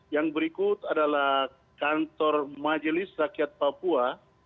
yang berikut adalah kantor majelis rakyat papua